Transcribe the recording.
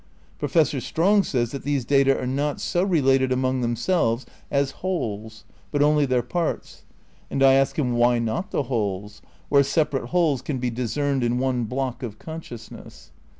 Professor Strong says that these data are not so related among themselves as wholes, but only their parts, and I ask him Why not the wholes, where separate wholes can he discerned in one block of consciousness